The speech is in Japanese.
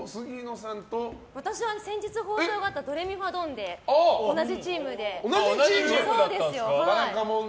私は先日放送があった「ドレミファドン！」で「ばらかもん」